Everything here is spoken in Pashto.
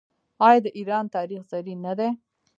آیا د ایران تاریخ زرین نه دی؟